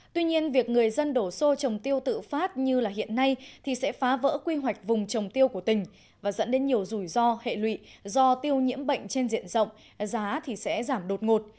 tuy nhiên việc người dân đổ xô trồng tiêu tự phát như hiện nay thì sẽ phá vỡ quy hoạch vùng trồng tiêu của tỉnh và dẫn đến nhiều rủi ro hệ lụy do tiêu nhiễm bệnh trên diện rộng giá thì sẽ giảm đột ngột